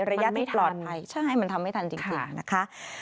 มันไม่ทันมันทำไม่ทันจริงนะคะ